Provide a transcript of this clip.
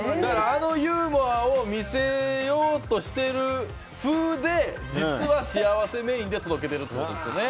あのユーモアを見せようとしてる風で実は幸せメインで届けてるってことですね。